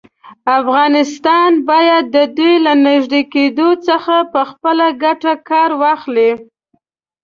افغانستان باید د دوی له نږدې کېدو څخه په خپله ګټه کار واخلي.